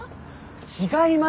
違いますよ！